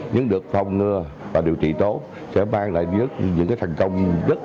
nhưng được phòng ngừa và điều trị tốt sẽ mang lại những cái thành công